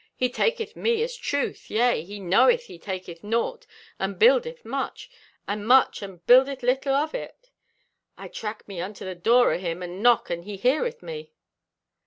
He taketh me as truth, yea, he knoweth he taketh naught and buildeth much, and much and buildeth little o' it. I track me unto the door o' him and knock and he heareth me."